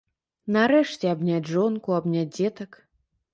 Нарэшце абняць жонку, абняць дзетак.